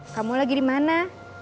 kamu lagi dimana